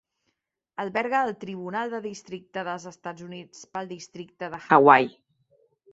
Alberga el Tribunal de Districte dels Estats Units pel districte de Hawaii.